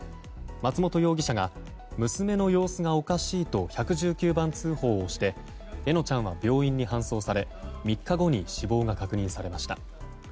松本容疑者が娘の様子がおかしいと１１９番通報して笑乃ちゃんは病院に搬送され３日後に死亡が確認されました。